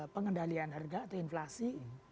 pengendalian harga atau inflasi